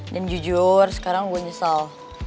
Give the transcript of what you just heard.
dan jujur sekarang gua nyesel